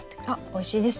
おいしいです。